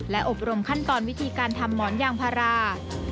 และอบรมขั้นตอนวิธีการทำหมอนยางพารา